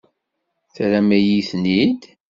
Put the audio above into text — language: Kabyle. Terram-iyi-ten-id?